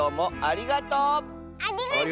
ありがとう！